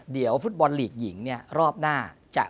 เดี๋ยวฟุตบอลลีกหญิงเนี่ยรอบหน้าจะ